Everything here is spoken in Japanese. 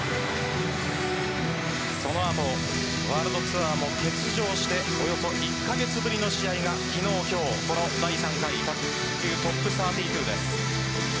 その後、ワールドツアーも欠場しておよそ１カ月ぶりの試合が昨日、今日、この第３回卓球ＴＯＰ３２です。